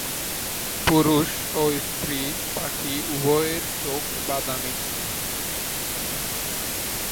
পুরুষ ও স্ত্রী পাখি উভয়ের চোখ বাদামি।